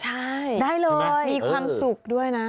ใช่ได้เลยมีความสุขด้วยนะ